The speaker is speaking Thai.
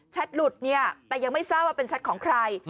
หลุดเนี่ยแต่ยังไม่ทราบว่าเป็นแชทของใคร